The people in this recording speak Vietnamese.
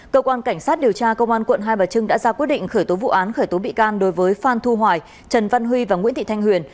cơ quan cảnh sát điều tra công an quận hai bà trưng đã ra quyết định khởi tố vụ án khởi tố bị can đối với phan thu hoài trần văn huy và nguyễn thị thanh huyền